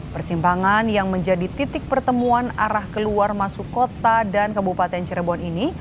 persimpangan yang menjadi titik pertemuan arah keluar masuk kota dan kabupaten cirebon ini